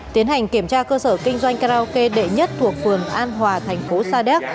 tiến hành kiểm tra cơ sở kinh doanh karaoke đệ nhất thuộc phường an hòa thành phố sa đéc